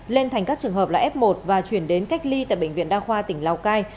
lên thành các trường hợp là f một và chuyển đến cách ly tại bệnh viện đa khoa tỉnh lào cai